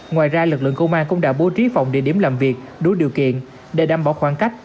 ngoài ra lực lượng công an cũng đã bố trí phòng địa điểm làm việc đủ điều kiện để đảm bảo khoảng cách